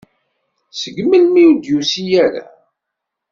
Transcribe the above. Seg melmi ur d-yusi ara?